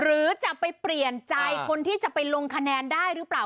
หรือจะไปเปลี่ยนใจคนที่จะไปลงคะแนนได้หรือเปล่า